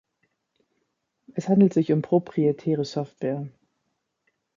Es handelt sich um proprietäre Software.